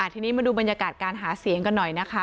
ทีนี้มาดูบรรยากาศการหาเสียงกันหน่อยนะคะ